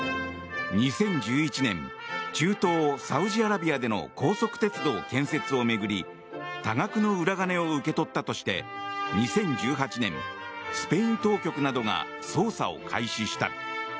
２０１１年中東サウジアラビアでの高速鉄道建設を巡り多額の裏金を受け取ったとして２０１８年スペイン当局などが捜査を開始した。